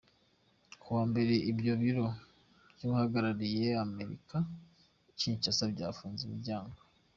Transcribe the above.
Ku wa mbere, ibyo biro by'uhagarariye Amerika i Kinshasa byafunze imiryango.